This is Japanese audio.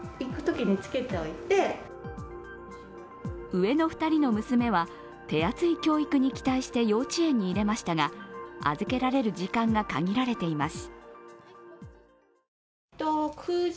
上の２人の娘は手厚い教育に期待して幼稚園に入れましたが預けられる時間が限られています。